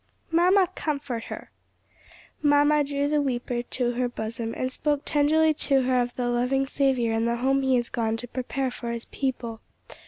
"Mamma, comfort her." Mamma drew the weeper to her bosom, and spoke tenderly to her of the loving Saviour and the home he has gone to prepare for his people.